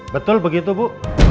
betul begitu bu